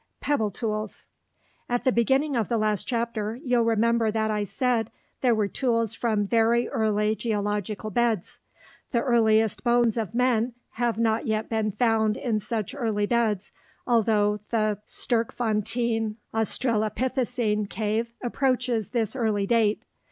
PEBBLE TOOLS At the beginning of the last chapter, you'll remember that I said there were tools from very early geological beds. The earliest bones of men have not yet been found in such early beds although the Sterkfontein australopithecine cave approaches this early date.